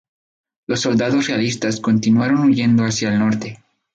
Los soldados realistas continuaron huyendo hacia el norte.